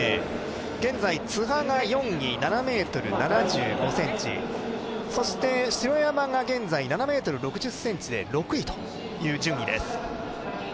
現在、津波が４位、７ｍ７５ｃｍそして城山が現在７ｍ６０ｃｍで６位という選手です。